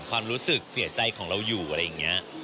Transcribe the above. ความรู้สึกเสียใจของเราอยู่อะไรอย่างนี้